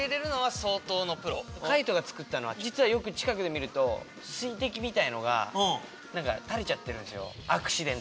海人が作ったのは実は近くで見ると水滴みたいのが垂れちゃってるんすよ。